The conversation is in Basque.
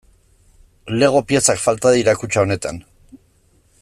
Lego piezak falta dira kutxa honetan.